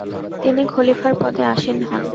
তিনি খলিফার পদে আসীন হন।